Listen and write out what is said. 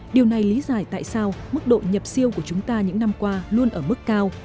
điều này lý giải tại sao mức độ nhập siêu của chúng ta những năm qua luôn ở mức cao